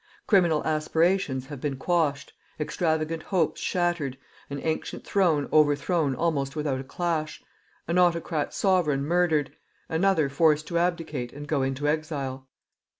Criminal aspirations have been quashed, extravagant hopes shattered, an ancient throne overthrown almost without a clash, an autocrat sovereign murdered, another forced to abdicate and go into exile.